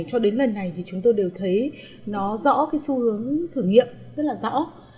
cho đến lần này chúng tôi đều thấy nó rõ xu hướng thử nghiệm rất là rõ